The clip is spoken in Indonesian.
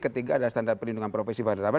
ketiga adalah standar perlindungan profesi wartawan